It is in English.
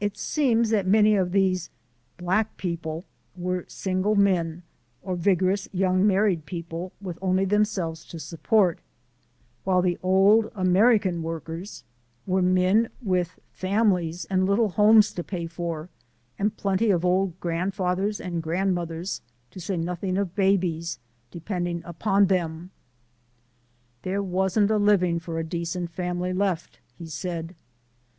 It seems that many of these "black people" were single men or vigorous young married people with only themselves to support, while the old American workers were men with families and little homes to pay for, and plenty of old grandfathers and mothers, to say nothing of babies, depending upon them. "There wasn't a living for a decent family left," he said.